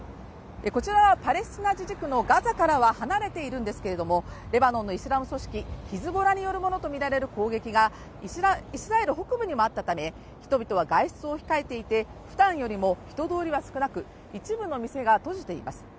こちらはパレスチナ自治区のガザからは離れているんですけれどもレバノンのイスラム組織ヒズボラによるものと思われる攻撃がイスラエル北部にもあったため、人々は外出を控えていて、ふだんよりも人通りは少なく一部の店が閉じています。